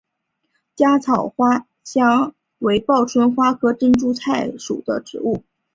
茄花香草为报春花科珍珠菜属的植物。